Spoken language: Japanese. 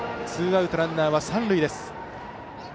ツーアウトランナーは三塁です。